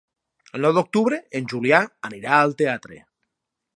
El nou d'octubre en Julià anirà al teatre.